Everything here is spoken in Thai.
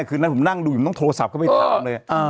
คืนนั้นผมนั่งดูอยู่มันต้องโทรศัพท์เข้าไปถามเลย